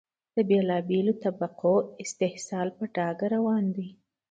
د بېلا بېلو طبقو استحصال په ډاګه روان دی.